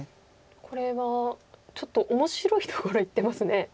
これはちょっと面白いところいってますね。